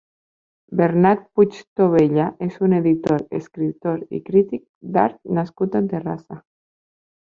Bernat Puigtobella és un editor, escriptor i crític d'art nascut a Terrassa.